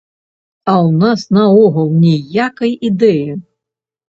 А ў нас наогул ніякай ідэі.